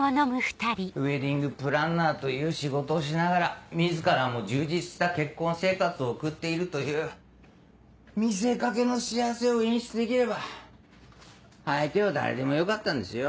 ウエディングプランナーという仕事をしながら自らも充実した結婚生活を送っているという見せかけの幸せを演出できれば相手は誰でもよかったんですよ。